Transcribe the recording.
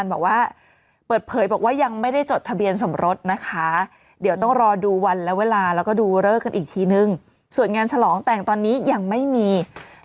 แบบง่ายน่ารักแล้วก็อบอุ่นสำหรับคู่นี้